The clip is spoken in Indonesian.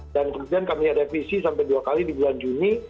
dan kemudian kami ada visi sampai dua kali di bulan juni